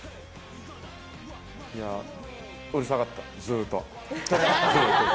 うるさかった、ずっと。